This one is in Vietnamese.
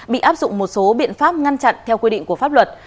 bị áp dụng một số biện pháp ngăn chặn theo quy định của pháp luật